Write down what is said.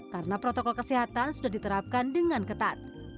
karena protokol kesehatan sudah diterapkan dengan ketat